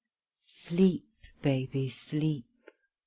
Sleep, baby, sleep.